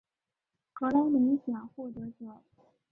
格莱美奖获得者。